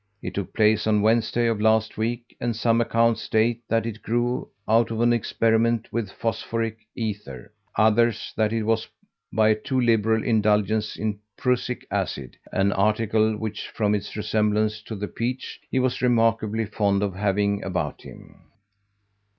It took place on Wednesday of last week and some accounts state that it grew out of an experiment with phosphoric ether, others that it was by a too liberal indulgence in Prussic acid, an article which, from its resemblance to the peach, he was remarkably fond of having about him."